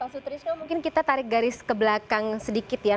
pak sutrisno mungkin kita tarik garis ke belakang sedikit ya